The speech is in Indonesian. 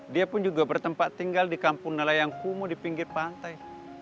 dia pun juga bertempat tinggal di kampung nelayan kumuh di pinggir pantai